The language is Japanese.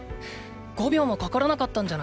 ５秒もかからなかったんじゃないか？